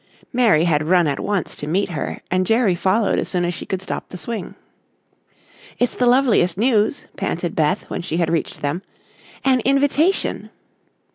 Mary had run at once to meet her and Jerry followed as soon as she could stop the swing. "It's the loveliest news," panted Beth when she had reached them "an invitation."